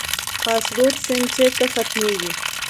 خاشرود سیند چیرته ختمیږي؟